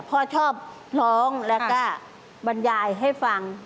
พ่อชอบร้องแล้วก็บรรยายให้ฟัง